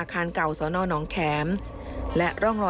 ผ้า๓สีเข็มขัดทอง